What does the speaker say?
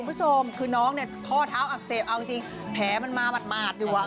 คุณผู้ชมคือน้องเนี่ยข้อเท้าอักเสบเอาจริงแผลมันมาหมาดอยู่อ่ะ